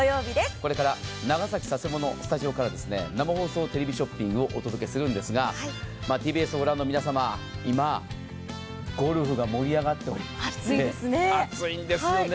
これから長崎佐世保のスタジオから生放送テレビショッピングをお届けするんですがＴＢＳを御覧の皆様、今ゴルフが盛り上がっていて熱いんですね。